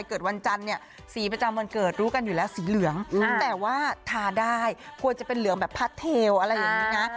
เคยเคยมาเกิดรูปกันอยู่แล้วสีเหลืองแต่ว่าทาได้ควรจะเป็นเหลืองแบบพัดเทลนะฮะ